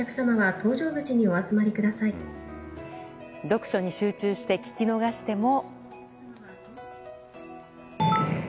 読書に集中して聞き逃しても。